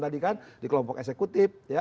tadi kan di kelompok eksekutif